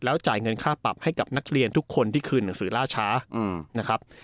จ่ายเงินค่าปรับให้กับนักเรียนทุกคนที่คืนหนังสือล่าช้านะครับ